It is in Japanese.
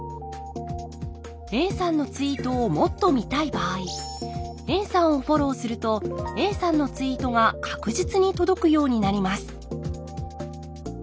Ａさんのツイートをもっと見たい場合ＡさんをフォローするとＡさんのツイートが確実に届くようになります